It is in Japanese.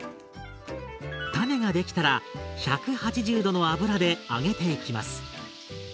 タネができたら１８０℃の油で揚げていきます。